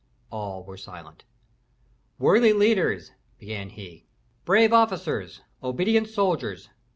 All were silent. "Worthy leaders," began he, "brave officers, obedient soldiers!